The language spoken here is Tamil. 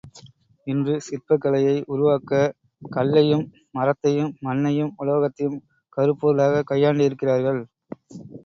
இன்று சிற்பக் கலையை உருவாக்க கல்லையும், மரத்தையும், மண்ணையும், உலோகத்தையும் கருப் பொருளாகக் கையாண்டிருக்கிறார்கள்.